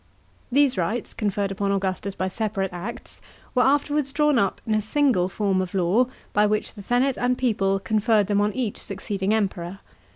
f These rights, conferred upon Augustus by separate acts, were afterwards drawn up in a single form of law, by which the senate and people conferred them on each succeeding Emperor.